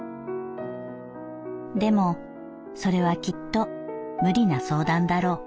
「でもそれはきっと無理な相談だろう。